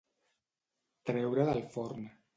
Treure del forn.